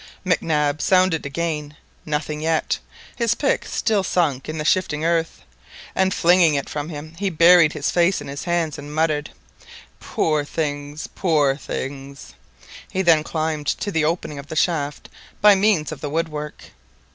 Mac Nab sounded again, nothing yet, his pick still sunk in the shifting earth, and flinging it from him, he buried his face in his hands and muttered— "Poor things, poor things!" He then climbed to the opening of the shaft by means of the wood work.